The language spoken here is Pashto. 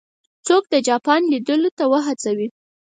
څوک د جاپان لیدلو ته وهڅوي.